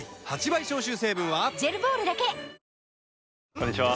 こんにちは。